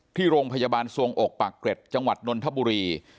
ที่โรงพยาบาลสวงอกปากเกร็ดจังหวัดนนทบุรี